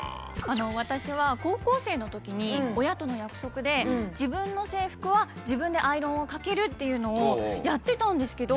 私は高校生のときに親との約束で自分の制服は自分でアイロンをかけるっていうのをやってたんですけど。